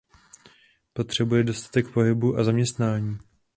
Potřebuje dostatek pohybu a zaměstnání.